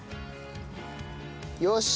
よし！